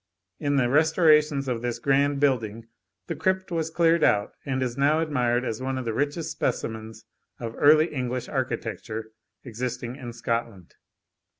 In the restorations of this grand building * the crypt was cleared out, and is now admired as one of the richest specimens * of Early English architecture existing in Scotland.